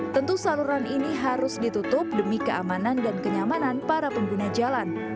tentu saluran ini harus ditutup demi keamanan dan kenyamanan para pengguna jalan